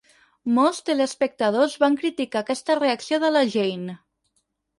Molts teleespectadors van criticar aquesta reacció de la Jane.